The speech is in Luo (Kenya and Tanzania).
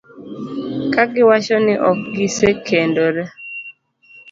ka giwacho ni ok gisekendore.